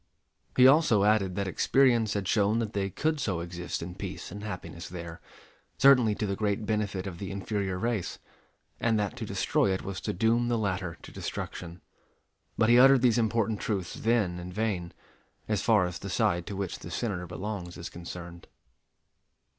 He also added that experience had shown that they could so exist in peace and happiness there, certainly to the great benefit of the inferior race; and that to destroy it was to doom the latter to destruction. But he uttered these important truths then in vain, as far as the side to which the Senator belongs is concerned.